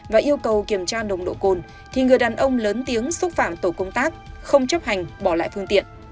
và yêu cầu kiểm tra nồng độ cồn thì người đàn ông lớn tiếng xúc phạm tổ công tác không chấp hành bỏ lại phương tiện